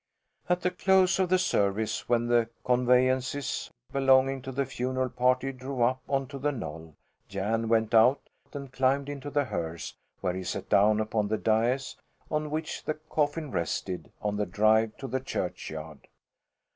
At the close of the service, when the conveyances belonging to the funeral party drove up onto the knoll, Jan went out and climbed into the hearse, where he sat down upon the dais on which the coffin rested on the drive to the churchyard.